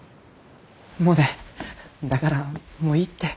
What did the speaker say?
モネだからもういいって。